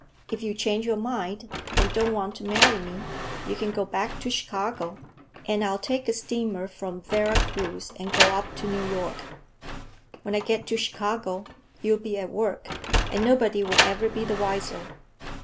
If you change your mind, and don't want to marry me, you can go back to Chicago, and I'll take a steamer from Vera Cruz and go up to New York. When I get to Chicago, you'll be at work, and nobody will ever be the wiser.